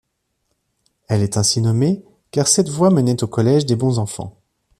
Elle est ainsi nommée car cette voie menait au collège des Bons-Enfants.